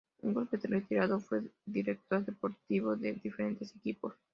Un golpe retirado, fue director deportivo de diferentes equipos.